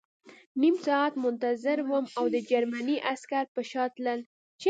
نیم ساعت منتظر وم او د جرمني عسکر په شا تلل